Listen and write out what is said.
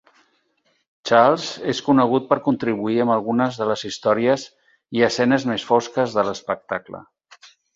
Charles és conegut per contribuir amb algunes de les històries i escenes més fosques de l'espectacle.